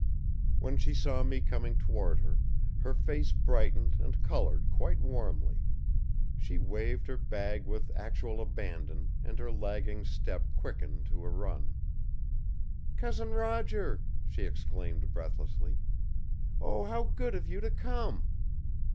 When she saw me coming toward her, her face brightened and colored quite warmly. She waved her bag with actual abandon and her lagging step quickened to a run. "Cousin Roger!" she exclaimed breathlessly. "Oh, how good of you to come!"